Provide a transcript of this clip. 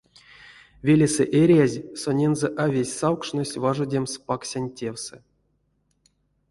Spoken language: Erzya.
Велесэ эрязь, сонензэ а весть савкшнось важодемс паксянь тевсэ.